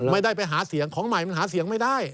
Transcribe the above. ไม่ได้ไปหาเสียงของใหม่มันหาเสียงไม่ได้